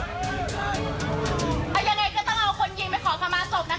ไม่ยอม